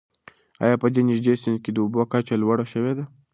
آیا په دې نږدې سیند کې د اوبو کچه لوړه شوې ده؟